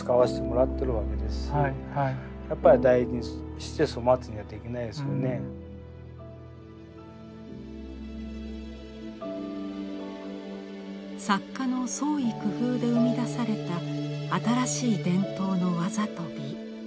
そしたらそういう作家の創意工夫で生み出された新しい伝統の技と美。